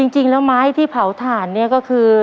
จริงแล้วไม้ที่เผาถ่านเนี่ยก็คือ